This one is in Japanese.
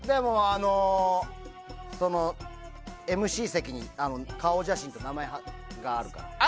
ＭＣ席に顔写真と名前があるから。